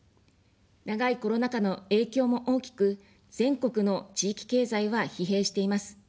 長いコロナ禍の影響も大きく、全国の地域経済は疲弊しています。